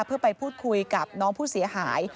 เพื่อไปพูดคุยกับน้องผู้เสียหาย